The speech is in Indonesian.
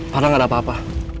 karena gak ada apa apa